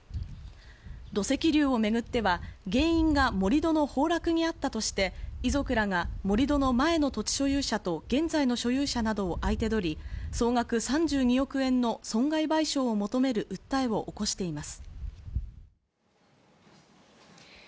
土石流をめぐっては、原因が盛り土の崩落にあったとして、遺族らが盛り土の前の土地所有者と現在の所有者などを相手取り、総額３２億円の損害賠償を求める訴えを起こしています。